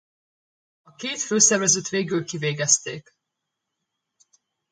A két főszervezőt végül kivégezték.